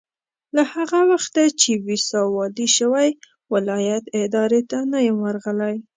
له هغه وخته چې ويساء والي شوی ولایت ادارې ته نه یم ورغلی.